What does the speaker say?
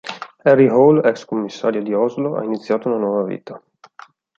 Harry Hole, ex commissario di Oslo, ha iniziato una nuova vita.